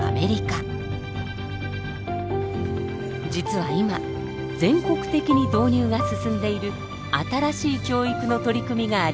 実は今全国的に導入が進んでいる新しい教育の取り組みがあります。